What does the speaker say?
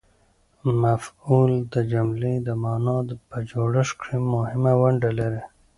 مفعول د جملې د مانا په جوړښت کښي مهمه ونډه لري.